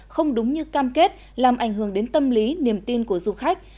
không đúng như cam kết làm ảnh hưởng đến tâm lý niềm tin của du khách